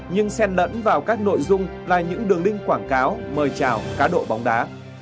nhưng sen lẫn vào các nội dung là những đường link quảng cáo mời trào cá độ bóng đá